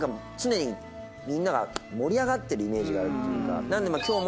常にみんなが盛り上がってるイメージがあるっていうか。